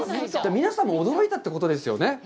皆さんも驚いたということですよね。